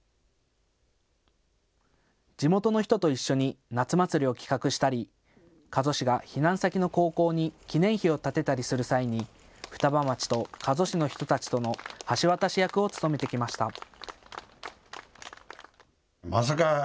地元の人と一緒に夏祭りを企画したり加須市が避難先の高校に記念碑を建てたりする際に双葉町と加須市の人たちとの橋渡し役を務めてきました。